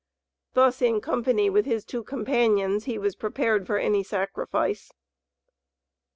Thus in company with his two companions he was prepared for any sacrifice.